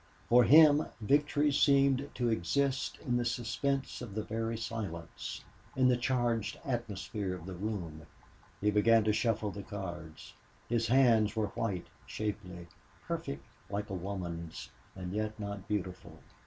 For him victory seemed to exist in the suspense of the very silence, in the charged atmosphere of the room. He began to shuffle the cards. His hands were white, shapely, perfect, like a woman's, and yet not beautiful.